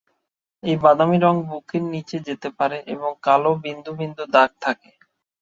এই বাদামী রং বুকের নিচে যেতে পারে এবং কালো বিন্দু বিন্দু দাগ থাকে।